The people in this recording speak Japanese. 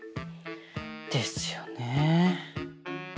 ですよね。